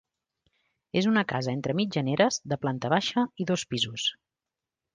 És una casa entre mitjaneres de planta baixa i dos pisos.